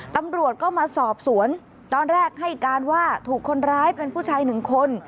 ตำรวจก็มาสอบสวนตอนแรกให้การว่าถูกคนร้ายเป็นผู้ชายหนึ่งคน